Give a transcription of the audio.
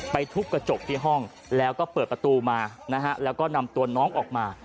ทุบกระจกที่ห้องแล้วก็เปิดประตูมานะฮะแล้วก็นำตัวน้องออกมา